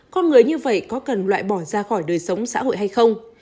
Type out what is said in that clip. con người như vậy có cần loại bỏ ra khỏi đời sống xã hội hay không